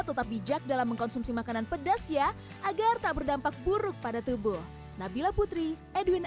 tetap bijak dalam mengkonsumsi makanan pedas ya agar tak berdampak buruk pada tubuh nabila putri edwin